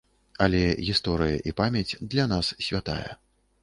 Але гісторыя і памяць для нас святая.